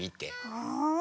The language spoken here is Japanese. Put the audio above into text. うん。